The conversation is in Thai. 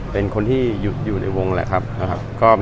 เป็นคนที่อยู่ในวงแหละครับนะครับ